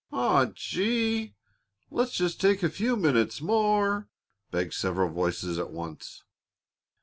"Aw gee! Let's take just a few minutes more," begged several voices at once.